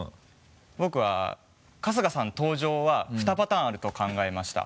僕は春日さん登場は２パターンあると考えました。